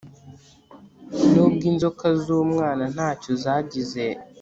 nubwo inzoka z'umwana ntacyo zagize